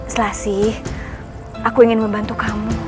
selasih aku ingin membantu kamu